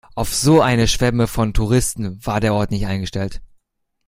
Auf so eine Schwemme von Touristen war der Ort nicht eingestellt.